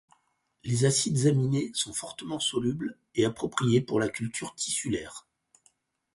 Les acides aminés sont fortement solubles et appropriés pour la culture tissulaire.